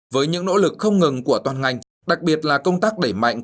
với những nỗ lực không ngừng của toàn ngành đặc biệt là công tác đẩy mạnh